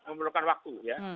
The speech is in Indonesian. memerlukan waktu ya